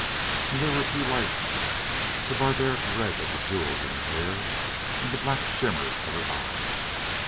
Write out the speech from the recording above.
And there were two lights, the barbaric red of the jewels in her hair, and the black shimmer of her eyes.